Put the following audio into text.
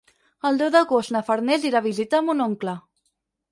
El deu d'agost na Farners irà a visitar mon oncle.